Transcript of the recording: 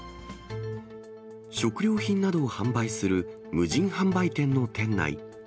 食料品などを販売する無人販売店の店内。